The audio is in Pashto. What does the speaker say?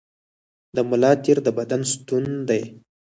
د ملا تیر د بدن ستون دی